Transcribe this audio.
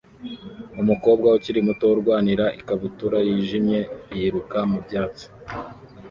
Umukobwa ukiri muto urwanira ikabutura yijimye yiruka mu byatsi